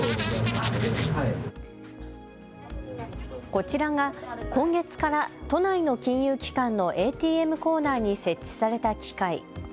こちらが、今月から都内の金融機関のＡＴＭコーナーに設置された機械。